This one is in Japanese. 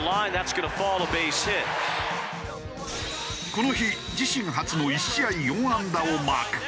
この日自身初の１試合４安打をマーク。